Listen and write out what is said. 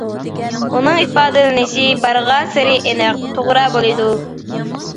ئۇنىڭ ئىپادىلىنىشى بارغانسېرى ئېنىق، توغرا بولىدۇ.